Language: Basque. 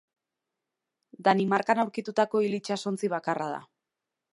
Danimarkan aurkitutako hil itsasontzi bakarra da.